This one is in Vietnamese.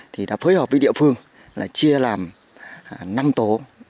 thì đã phối hợp với địa phương là chia làm năm tổ